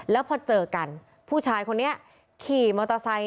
แล้วพอเจอกันผู้ชายคนนี้ขี่มอเตอร์ไซค์